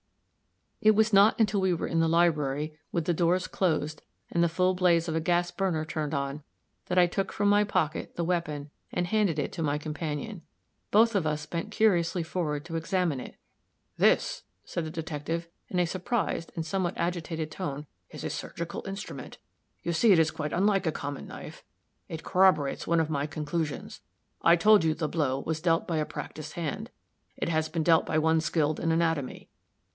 It was not until we were in the library, with the doors closed, and the full blaze of a gas burner turned on, that I took from my pocket the weapon, and handed it to my companion. Both of us bent curiously forward to examine it. "This," said the detective, in a surprised and somewhat agitated tone, "is a surgical instrument. You see, it is quite unlike a common knife. It corroborates one of my conclusions. I told you the blow was dealt by a practiced hand it has been dealt by one skilled in anatomy.